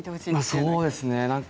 そうですね。